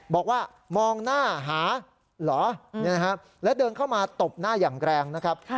บอกว่ามองหน้าหาเหรอแล้วเดินเข้ามาตบหน้าอย่างแรงนะครับ